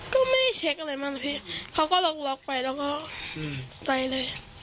ก็ไม่ได้เช็คอะไรมากเลยพี่เขาก็ล็อกไปแล้วก็ไปเลย